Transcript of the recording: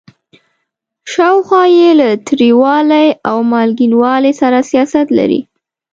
شاوخوا یې له تریوالي او مالګینوالي سره حساسیت لري.